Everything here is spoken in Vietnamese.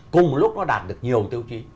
cùng lúc nó đạt được nhiều tiêu chí